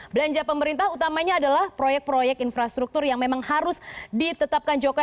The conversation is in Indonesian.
belanja pemerintah utamanya adalah proyek proyek infrastruktur yang memang harus ditetapkan jokowi